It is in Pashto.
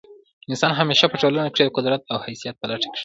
انسان همېشه په ټولنه کښي د قدرت او حیثیت په لټه کښي دئ.